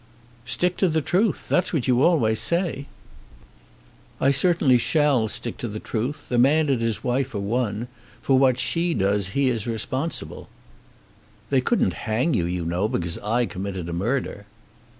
"Stick to the truth; that's what you always say." "I certainly shall stick to the truth. A man and his wife are one. For what she does he is responsible." "They couldn't hang you, you know, because I committed a murder."